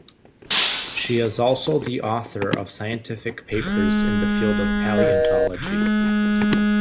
She is also the author of scientific papers in the field of paleontology.